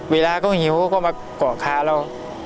เวลาก็หิวก็มาก่อค้าเรา